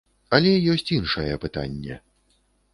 Але ёсць іншае пытанне.